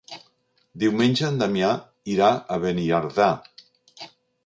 Diumenge en Damià irà a Beniardà.